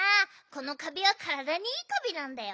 このカビはからだにいいカビなんだよ。